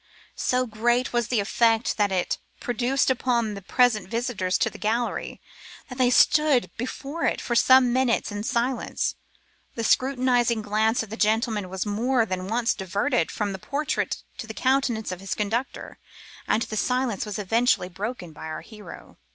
So great was the effect that it produced upon the present visitors to the gallery, that they stood before it for some minutes in silence; the scrutinising glance of the gentleman was more than once diverted from the portrait to the countenance of his conductor, and the silence was eventually broken by our hero.